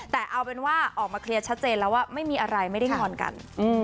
แต่เอาเป็นว่าออกมาเคลียร์ชัดเจนแล้วว่าไม่มีอะไรไม่ได้งอนกัน